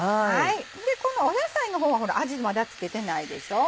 この野菜の方はほら味まだ付けてないでしょ。